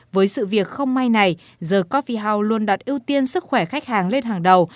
với sự việc không may này the cophie house luôn đặt ưu tiên sức khỏe khách hàng lên hàng đầu